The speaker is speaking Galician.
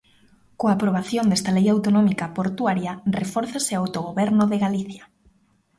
Coa aprobación desta lei autonómica portuaria refórzase o autogoberno de Galicia.